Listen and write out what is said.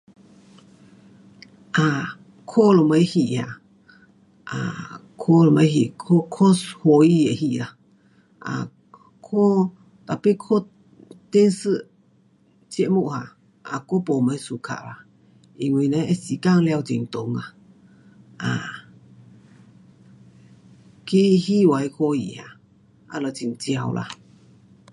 啊，看什么戏啊，啊，看什么戏，看，看欢喜的戏啦。啊，看，tapi 看电视节目啊，啊，我没什么 suka 嘞它时间花很长啊，啊。去戏院看戏啊，那就很少啦。